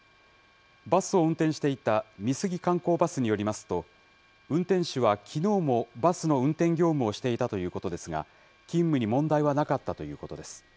バスを運転していた美杉観光バスによりますと、運転手はきのうもバスの運転業務をしていたということですが、勤務に問題はなかったということです。